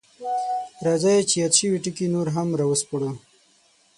راځئ چې یاد شوي ټکي نور هم راوسپړو: